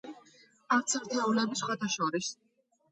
არც ერთეულები სხვათა შორის.